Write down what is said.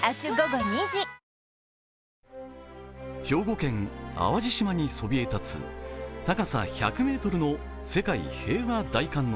兵庫県淡路島にそびえ立つ高さ１００ｍの世界平和大観